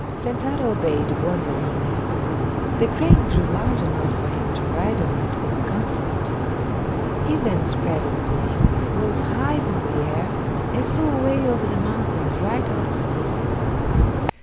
Sentaro obeyed wonderingly. The crane grew large enough for him to ride on it with comfort. It then spread its wings, rose high in the air, and flew away over the mountains right out to sea.